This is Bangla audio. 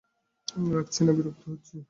রাগছি না, বিরক্ত হচ্ছি!